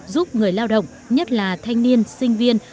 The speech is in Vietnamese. giúp người lao động nhất là thanh niên sinh viên